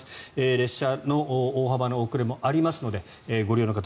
列車の大幅な遅れもありますのでご利用の方